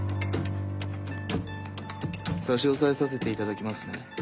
差し押さえさせていただきますね。